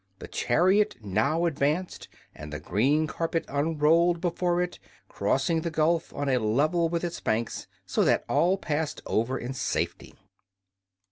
The chariot now advanced, and the green carpet unrolled before it, crossing the gulf on a level with its banks, so that all passed over in safety.